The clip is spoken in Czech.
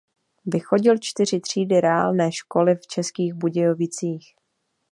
Vychodil čtyři třídy reálné školy v Českých Budějovicích.